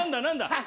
何だ？